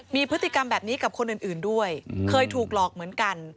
มีพฤติกรรมแบบนี้กับคนอื่นด้วยเคยถูกหลอกเหมือนกัน